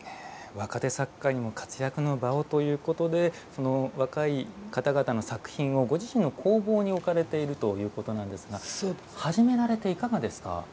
若手作家にも活躍の場をということでその若い方々の作品をご自身の工房に置かれているということなんですが始められていかがですか？